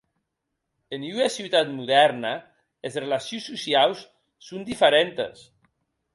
En ua ciutat modèrna, es relacions sociaus son diferentes.